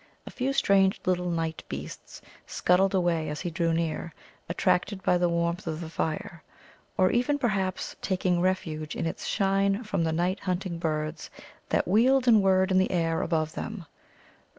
A few strange little night beasts scuttled away as he drew near, attracted by the warmth of the fire, or even, perhaps, taking refuge in its shine from the night hunting birds that wheeled and whirred in the air above them.